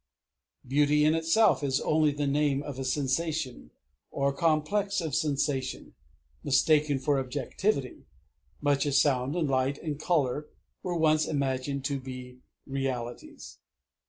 Beauty in itself is only the name of a sensation, or complex of sensation, mistaken for objectivity much as sound and light and color were once imagined to be realities.